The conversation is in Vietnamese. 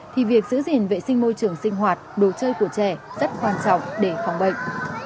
thì việc giữ gìn vệ sinh môi trường sinh hoạt đồ chơi của trẻ rất quan trọng để phòng bệnh